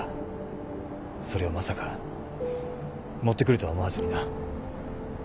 それをまさか持ってくるとは思わずにな。